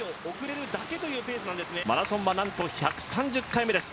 マラソンはなんと１３０回目です。